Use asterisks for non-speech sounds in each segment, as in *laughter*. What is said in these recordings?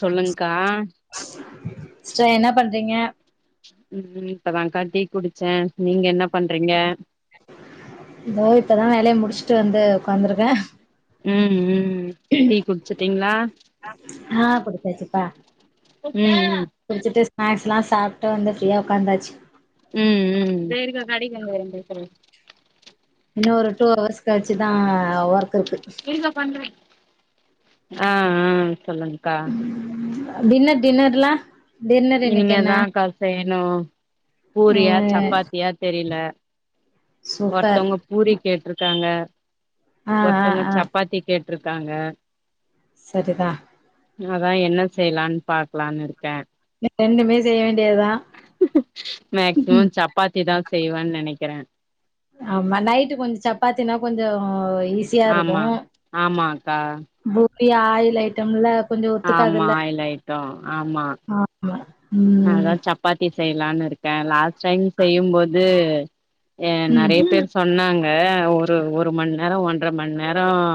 சொல்லுங்க்கா திங்க ம் ம் இப்பதாக்கா ட்டீ குடிச்சே நீங்க என்னப் தோ இப்பதா வேலைய முடிச் ட்டு வந்து உக்காந்துருக்கே ம் ம் டீ குடிச்சட்டீங்களா ஆ குடிச்சாச்சுப்பா ம் ம் ஸ்நாக்ஸ் லா சாப்ட்டு வந்து ஃப்ரீயா உக்காதாச்சு ம் ம் சேரிக்கா கடைக்கு வந்து *unintelligible* இன்னு ஒரு டூ ஹவர்ஸ் கழிச்சுதா ஒர்க் இருக்கு இருக்கா பண்ற ஆ ஆ சொல்லுங்கக்கா டின்னர் டின்னர்ல்லா இனிமேதா க்கா செய்யணும் பூரியா ம் சப்பாத்தியா தெரியல சூப்பர் ஒருத்தவங்க பூரி கேட்ருக்காங்க ஆ ஆ ஒருத்தங்க ஆ சப்பாத்தி கேட் இருக்காங்க சரிதா அதா என்ன செய்யலான் பாக்கலான் இருக்கே ரெண்டுமே செய்ய வேண் மேக்ஸிமம் சப்பாத்தி தா செய்வேன் நனைக்கறே ஆமா நைட்டு கொஞ்ச சப்பாத்தினா கொஞ்சம் ஆம்மா ஆமா க்கா ப்ரிய ஆயில் ஐட்டம்ல கொஞ்சோ ஆம்மா ஒத்துக்காதுல்ல ஆயில் ஐட்டம் ஆமா ஆமா ம் அதா சப்பாத்தி செய்யலான்னு இருக் கே லாஸ் செய்ன் செய்யும் போது கே ம் நறைய பேர் சொன்னாங் ஆ ஒரு ஒரு மண் நேரம் ஒன்றரை மண் நேரம்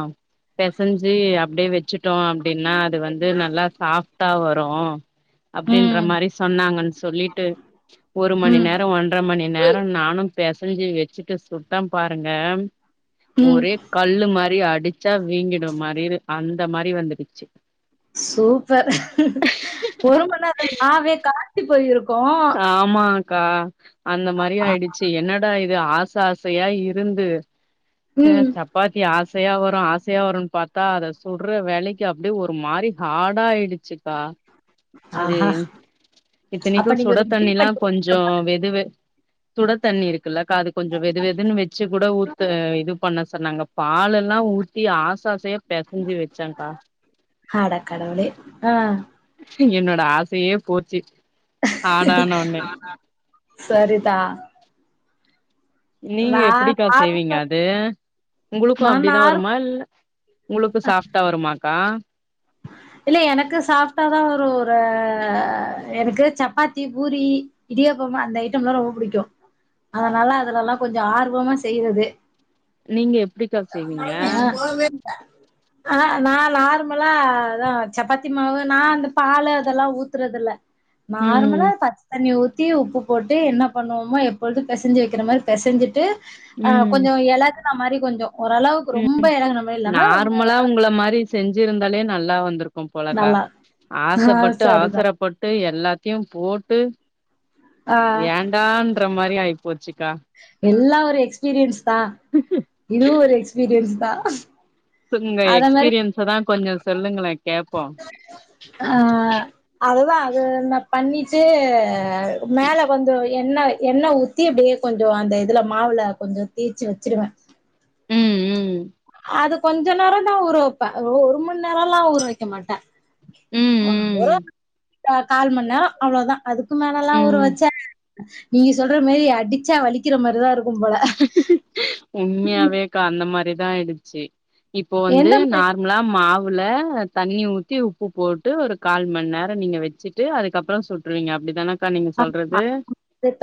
பிசைஞ்சு அப்டியே வச்சுட்டோம் அப்டின்னா வந்து நல்லா சாப்டா வரும் அப்டின்ற ம் மாரி சொன்னாங்கன்னு சொல்லிட்டு ஒரு மணி ம் நேரோ ஒன்ற மணி நேரோ நானு பெசஞ்சி வச்சிட்டு சுட்டே பாருங்க ம் ஒரே கல்லு மாரி அ டிச்சா வீங்கிடு மாரிரு அந்த மாரி வந்துடுச்சு. சூப்பர் ஒரு மணி நேரோ மாவே கா ஞ்சு போயிரு ஆமா க்கா அந்த மாரி ஆ ஆயிடுச்சு என்னடா இ து ஆச ஆசயா இருந்து ச்சே ம் சப்பாத்தி ஆசையா வரு ஆசையா வருன்னு பாத் தா அத சுட்ற வேளைக்கி அப்டியே ஒரு மாரி ஹாடா ஆயிடு ச்சுக்கா அது ஆஹா இத்தனைக்கு அப்ப நீங்க சுட ரொட்டி தண்ணில்லா பண்ணிருக்கீங்க கொஞ்சோ போல வெது வெ சுட தண்ணி இருக்குல்லக்கா அது கொஞ்சோ வெது வெதுன்னு வச்சு கூட ஊத்த இது பண்ண சொன்னாங்க பால் எல்லா ஊத்தி ஆச ஆசயா அடக் கடவுளே ஆ க்கு என்னோட ஆசையே போச்சு ஹார்டானோனே *inaudible* சரிதா நீங்க நா எப்பிடிக்கா செய்வீங்க நார்மல் அது? உங்களுக்கு நா அப்டிதா நார் வருமா இல்ல உங்களுக்கு சாஃப்டா வருமா? க்கா இல்ல எனக்கு சாஃப்டாதா வரு ஒரு எனக்கு சப்பாத்தி பூரி இடியாப்பமா அந்த ஐட்டம்லா ரொம்ப புடிக்கு. அதனால அதுல எல்லா கொஞ்ச ஆர்வமா செய்றது நீங்க எப்டிக்கா செய்வீங்க? ஆ ஆ நா நார்மலா அதா சப்பாத்தி மாவு நா அந்த பாலு அதெல்லா ஊத்துறது இல்ல ம் நார்மலா பச்ச தண்ணி ஊத் தி உப்பு போட்டு என்ன பண்ணுவமோ எப்பொழுது பெசஞ்சு வைக்கிற மாரி பெசஞ்சிட்டு ஆ கொஞ்சோ எளகு ம மாரி கொஞ்சோ ஓரளவுக்கு ம் ரொம்ப ம் எலகுன மாரி இல்லாம ரொம்ப நார்மலா உங்கள மாரி செஞ்சிருந்தாலே நல் லா வந்துரு க்கும் போலக்கா நல்லா ஆ ஆசப்பட்டு சரிதா அவசரப்பட்டு எ ல்லாத்தையு போட்டு ஆ ஏன்டான்ற மாரி ஆயி போச்சுக்கா எல்லா ஒரு எக்ஸ்பீரியன்ஸ் தா இதுவு ஒரு எக்ஸ்பீரியன்ஸ் தா உங்க அத மாரி எக்ஸ்பீரியன்ஸ தா கொஞ்சொ சொல்லுங்களே கேப்போ ஆ அதுதா ஏ ந பண்ணிச்சு மேல வந்து எண்ண எண்ண ஊத்தி அப்டியே கொஞ்சொ அந்த இதுல மாவுல கொஞ்சொ தேச்சு வச்சுடுவே ம் ம் அது கொஞ்ச நேரந்தா ஊற வப்பே ஒ ஒரு மண் நேரொல்லா ஊற வக்க மாட்டே ம் *unintelligible* அ கால் மண்நேரொ அவ்ளோதா அதுக்கு மேலல்லா ம் ஊற ம் வச்சா நீங்க சொல்ற மாரி அடிச்சா வலிக்கிற மாரிதா இரு உண்மயாவேக்கா அந்த மாரி தா இருந்ச்சி இப்போ வந்து எந்த மாரி நார்மலா மா வுல தண்ணி ஊத்தி உப்பு போட்டு ஒரு கால் மண் நேர நீங்க வச்சுட்டு அதுக்கப்ற சுட்ருவீங்க அப்டிதான ஆமா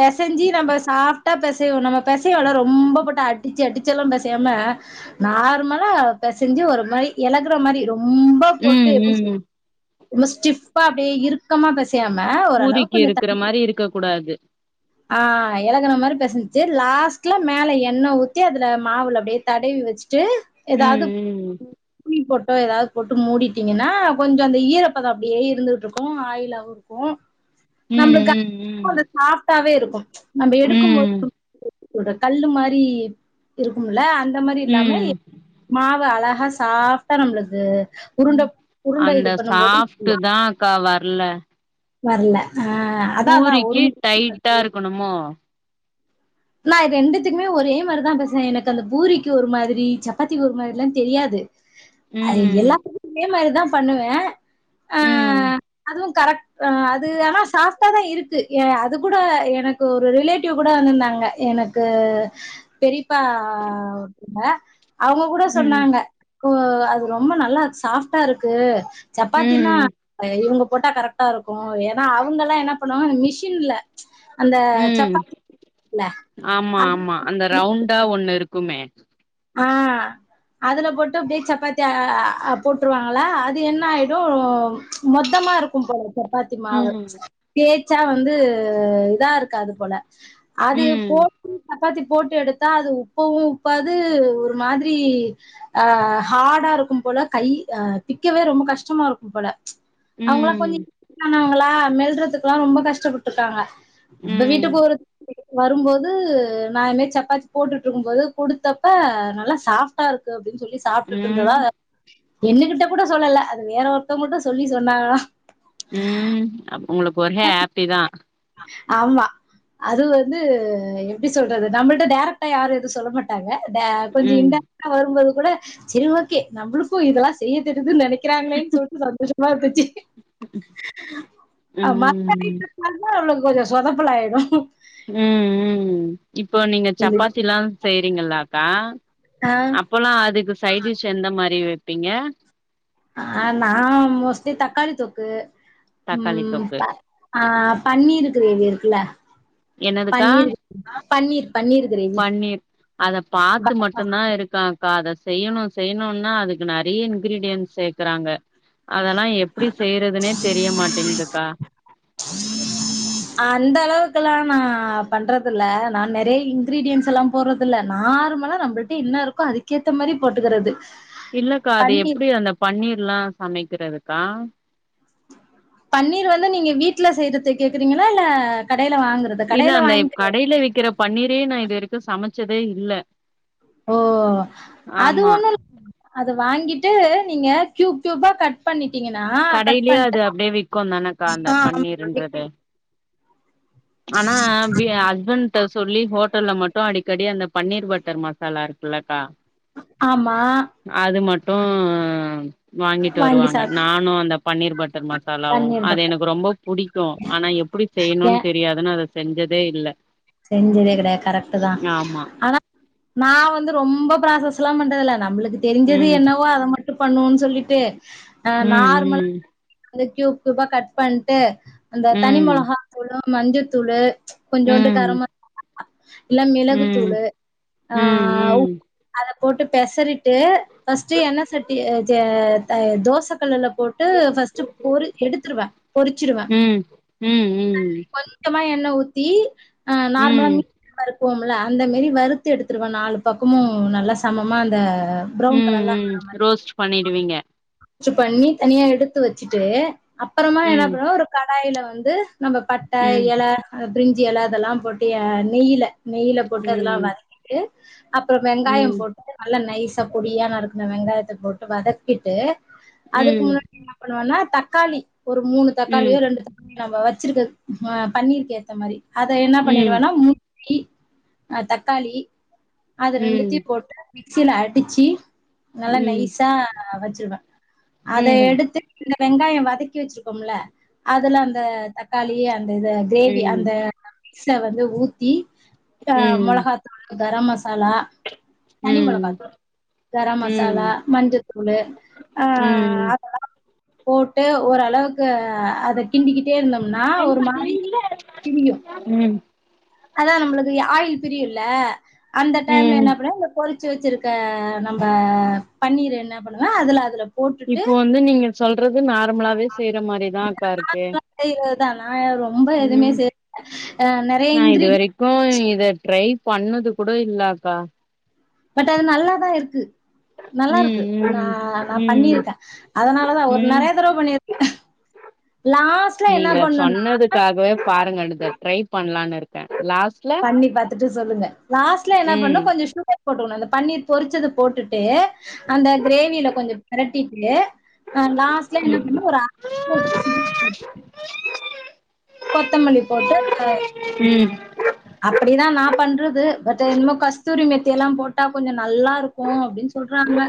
பெசஞ்சி நம்ப சாஃப்டா பெ சைவ நம்ம பெசைவொல ரொம்ப போட்டு அடிச்சு அடிச்சல்லா பெசையாம நார்மலா பெசஞ்சு ஒரு மாரி எலகுற மாரி ரொ ம்ப போட்டு ம் எப்டி சொல் ம் ரொம்ப ஸ்டிஃப்பா அப்டியே இறுக்கமா பெ சயாம ஓரளவுக்கொஞ்ச ட க்க கூடாது ஆ எலகுன மாரி பெசஞ்சுட்டு லாஸ்ட்ல மேல எண்ண ஊத்தி அதுல மாவுல அப்டியே தடவி வச்சு சு ம் எதாவ்து ம் துணி போ ப எதாவ்து போட்டு மூடிட்டிங்கன்னா கொஞ்ச அந்த ஈரப்பதோ அப்டியே இருந்துகிட்ருக்கு ஆயிலாவு இருக்கு நம்ளுக்கு ம் ம் *inaudible* டாவே இருக்கு நம்ப எடுக்கும்போ *inaudible* ம் ம் *unintelligible* கல்லு மாரி இருக்கும்ல அந் த மாரி ம் இல்லாமயெ மா வு அழகா சாஃப்டா நம்ளுக்கு அந்த சாஃப்டு தா அக்கா வர்ல வர்ல பூரிக்கு டைட்டா இருக்கணுமோ நான் ரெண்டுத்துக்குமே ஒரே மாரிதான் பேசய்றேன் எனக்கு அந்த பூரிக்கு ஒரு மாரி சப்பாத்திக்கு ஒரு மாரி எல்லா தெரியாது அ ம் எல்லா ஏமா இருதா தான் பண்ணுவேன் உம் ஆஹ அது ஆனா சாஃப்டாதான் இருக்கு அது கூட எனக்கு ஒரு ரிலேட்டிவ் கூட வந்திருந்தாங்க எனக்கு பெரிய ப்ப ஓங்க *inaudible* அவங்க கூட ம் சொன்னாங்க அது ரொம்ப நல்லா சாஃப்டா இருக்கு சப்பாத்தனா ம் இவங்க போட்டா கரெக்டா இருக்கும்ஏன்னா அவங்க எல்லா என்ன பண்ணுவாங்க மிஷின்ல அந்த ம் சப்பாத்தி இருகில்ல ஆமா ஆமா அந்த ரவுண்டா ஒண்ணு இருக்கு குமர் *unintelligible* ஆஹ் அதுல போட்டு பீக் சப்பாத்தி போட்டுருவாங்களா அது என்ன ஆயிடும் மொத்தமா இருக்கும் போல சப்பாத்தி மாவு ம் க ச்சா வந்து இதா இருக்காது போல அது போ ம் *unintelligible* ப்பத்தி போட்டு எடுத்தா அது உப்பவும் உப்பா அது ஒரு மாதிரி அஹ ஹார்டா இருக்கும் போல கை அஹ பிக்கவே ரொம்ப கஷ்டமா இருக்கும் போல அவங்கள ம் கொஞ்சம் மெல்றதுக்குெல்லாம் ரொம்ப கஷ்டப்பிருக்காங்க நம்ம ம் வீட்டு போறது வரும்போது நான்மி சப்பாத்தி போட்டுட்டு இருக்கும்போது கொடுத்த இப்ப நல்லா சாப்டா இருக்கு அப்பின்னு சொல்லி சாப்பிட்டுட்டு இருந்ததா ம் என்னகிட்ட கூட சொல்லல அது வேற ஒருத்தவங்கங்களிட்டும் சொல்லி சொன்னாங்கா உம் அ உங்களுக்கு ஒரே ஹாப்பி தான் ஆமா அது வந்து எப்படி சொல்றது நம்மளிட்ட டைரக்ட்டா யாரும் எதுவும் சொல்ல மாட்டாங்க கொஞ்சம் ம் இண்டைரட்டா வரும்போது கூட சரி ஓகே நம்மளுக்கும் இதெல்லாம் செய்ய தெ நினைக்கிறாங்களேன்னு சொல்லிட்டு சந்தோஷமா இருந்துச்சு மா ம் ளுக்கு கொஞ்சம் சோதப்பலாயிடும் உம் உம் இப்போ நீங்க சப்பாத்தி எல்லாம் செய்யறீங்களா அக்கா ஆ அப்பல்லாம் அதுக்கு சைடிஸ் எந்த மாதிரி வைப்பீங்க ஆஹ நான் மோஸ்லி தக்காளி தொக்கு தக்காளி உம் தொக்கு ஆஹ பன்னீர் கிரேவி இருக்குல்ல பன்னீரு பன்னீர் பன்னீர் கிரேவி பண்ணி அத பார்த்து மட்டும்தான் இருக்காக்கா அதை செய்யணும் செய்யணும்னா அதுக்கு நிறைய இன்கிரீடியன்ட்ஸ் சேக்றாங்க அதெல்லாம் எப்படி செய்றதுனே தெரியமாட்டேங்குதுக்கா நான் பண்றது இல்ல நான் நிறைய இன்கிரீடியன்ஸ் எல்லாம் போறது இல்ல நார்மலா நம்மளிட்ட என்ன இருக்கோ அதுக்கேத்த மாதிரி போட்டுக்கிறது இல்லக்கா அது பன்னீர் எப்படி அந்த பன்னீர் எல்லாம் சமைக்கிறது கா பன்னீர் வந்து நீங்க வீட்டுல செய்றது கேக்குறீங்களா இல்ல கடையில வாங்குறதா இல்ல கடையில அந்த வாங்கிக்க கடையில விக்கிற பன்னீரே நான் இது வரைக்கும் சமைச்ச சமைச்சதே இல்ல ஓ அது ஆமா ஒண்ணும் அது வாங்கிட்டு நீங்க க்யூப் கியூபா கட் பண்ணி கடையிலயே அது அப்படியே விக்கும் தானக்கா அந்த ஆ பன்னீருன்றது ஆனா ஹஸ்பண்ட சொல்லி ஹோட்டல்ல மட்டும் அடிக்கடி அந்த பன்னீர் பட்டர் மசாலா இருக்குல்லக்கா ஆமா உம் வாங்கிட்டு வாங்கி வருவாங்க சாப்ட் நானும் அந்த பன்னீர் பட்டர் மசாலாவும் பன்னீர் அது பட்டர் எனக்கு ரொம்ப புடிக்கும் ஆனா எப்படி சிக்கன் செய்யணும்னு அத செஞ்சதே இல்லை செஞ்சதே கிடையாது கரெக்ட் தான் ஆனா நான் வந்து ரொம்ப ப்ராசஸ் லாம் பன் ல்ல நம்மளுக்கு அ தெரிஞ்சது என்னவோ அத மாரி பண்ணுவோன்னு சொல்லிட்டு உம் உம் அந்த கியூப் கியூபா கட் பண்ட்டு அந்த தனி ம் மிளகாதூளும் மஞ்சத் தூளு கொஞ்சோண்டு ம் கரம் ம அ இல்ல ம் மிளகுத்தூளு ஆ ம் உ ம் போட்டு பெசறிட்டு ஃபஸ்ட்டு எண்ண சட்டி அ ஜ ஆ தோசக்கல்லுல போட்டு ஃபஸ்ட்டு பொரு எடுத்துருவே பொரிச்சிருவே ம் ம் ம் அதுல கொஞ்சமா எண்ண ஊத் தி ஆ ம் நார்மலா ம் மீ வறு ப்போம்ல அந்த மாரி வறுத்து எடுத்துருவே நாலு பக்கமு நல்லா சமமா அந்த ப்ரௌன் ம் கலர்ல ம் ரோஸ்ட் பண்ணி ருவீங்க ஸ்ட்டு பண்ணி தனியா எடுத்து வச்சிட்டு அப்பறந்தா என்னா ம் பண்ணவ ஒரு க டாயில வந்து நம்ம பட்ட ம் எல அத ப்ரிஞ்சி எல அதெல்லா போட்டு ஆ நெய்யில நெய்யில போட்டு அதெல்லா ம் வதக்கிட்டு அப்பற வெங்காயோ ம் போட்டு நல்லா நை ஸா பொடியா நறுக்குன வெங்காயத்த போட்டு வதக்கிட்டு ம் அதுக்கு முன்னாடி என்ன பண்ணுவனா தக்காளி ஒரு மூணு தக்காளியோ ம் ரெண்டு தக்காளியோ நம்ம வ ச்சிருக்க ஆ பன்னீருக்கு ஏத்த மாரி அத என்னா ம் பண்ணிருவேன்னா ஊ த்தி ஆ தக்காளி அது ம் ரெண்டுத்தயு போட்டு மி க்ஸில அடிச்சி நல்லா ம் நைஸா வச்சிருவ அத ம் எடுத்து இந்த வெங்காயோ வதக்கி வச்சிருக்கோம்ல அதுல அந்த தக்காளி அந்த இத ம் கிரேவி ம் அந்த மிக்ஸ்ல வந்து ஊத்தி ஆஹ் ம் மொளகாத்தூலு கரம் மசாலா தனி ம் மொளகா தூள் கரம் மசாலா மஞ்சத்தூளு ஆ உம் அத போட்டு ஓரளவுக்கு அ அத கிண்டிக்கிட்டே இருந்தோனா ஒரு மாரி பிரியு ம் அதா நம்மளுக்கு ஆயில் பிரியுல அந்த டைம்ல ம் என்ன பண்ணணு அந்த பொ வச்சு வச்சிருக்க நம்ம பன்னீர என்ன பண்ணுவ அதுல அதுல போட்டுட்டு இப்போ வந்து நீங்க சொல்றது நார்மலாவே செய்யற மாரிதா அக்கா இருக்கு *inaudible* ந ரொம்ப எதுமே ம் சேக்கல நறைய நா இங்கி இது வரை க்கும் இத ட்ரை பண்ணது கூட இல்லாக்கா பட் அது நல்லாதான் இருக்கு நல்லா ம் இருக்கு ம் நான் நான் ம் பண்ணிருக்கேன் அதனாலதான் ஒரு ம் நறைய தடவை பண்ணிருக்கேன் நீங்க சொன்னதுக்காகவே பாருங்க இதை ட்ரை பண்ணலான்னு இருக்கு ாஸ்ட் *inaudible* பண்ணி பாத்துட்டு சொல்லுங்க லாஸ்ட்ல என்ன பண்ணோ ம் கொஞ்சோ சுகர் போட்டுக்கணோ அந்த பன்னீர் பொறிச்சது போட்டுட்டு அந்த கிரேவியில கொஞ்சோ பெரட்டிட்டு அஹ் லாஸ்ட்ல என்ன ம் பண்ண ஒரு *unintelligible* அதுல கொத்தமல்லி போட்டு ம் அப்படிதான் நான் பண்றது பட் இந்தனம கஸ்தூரி மெத்தி எல்லா போட்டா கொஞ்சௌ நல்லா இருக்கௌ அப்படின்னு சொல்றாங்க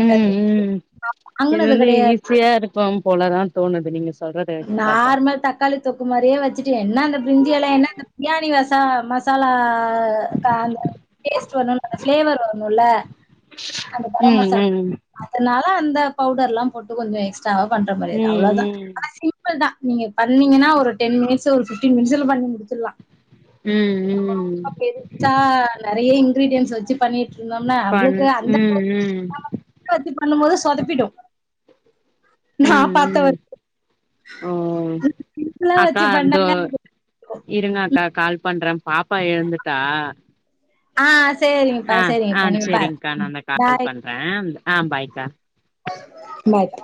உம் உம் இது வாங்குனது வந்து கெடையாது ஈஸியா இருக்கோ போலதான் தோணுது நீங்க சொல்றத வச்சு பாத்தா நார்மல் தக்காளி தொக்கு மாரியே வச்சுட்டு என்ன அந்த பிரிஞ்ஜ எல்லா என்ன அந்த பிரியாணி வச மசாலா பளும் அந்த ப ம் மசாலா ம் அதனால அந்த *inaudible* பவுடர் எல்லா போட்டு கொஞ்சோ எக் வா பண்ற முரியாது அவ்வளோதான் ம் சிம்பிள் தான் நீங்க பண்ணீங்கன்னா ஒரு டென் மிடஸ் ஒரு பிப்டின் மினிடஸ் பண்ணி முடித்துலா ம் ம் ம் நம்ப *inaudible* நெறைய இன்கிரிடியன்ஸ் வச்சு பண்ணிட்ருந்தொம்னா பண் நம்ளுக்கு அந்த ம் ம் *inaudible* வச்சு பண்ணும் போது சொதப்பிடு நா ம் பாத்த ம் வரைக்கு ஓ சிம்பிளா அக்கா வச்சு அந்தோ பண்ணாங்க இருங்க அக்கா கால் பண்ற பாப்பா எழுந்துட்டா ஆ சரிங்கப்பா ஆ ஆ சரிங்கப்பா நீங்க சேரிங்க்கா பாருங்க நாந்த கால் பாய் பண்றே ஆ பாய் கா மேட்